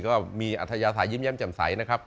ก็มีอัธยาศาสตร์ยิ้มแย้มจ่ำใสนะครับ